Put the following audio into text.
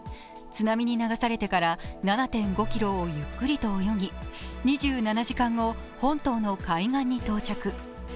津波に流されてから７．５ｋｍをゆっくりと泳ぎ、２７時間後、本島の海岸に到着。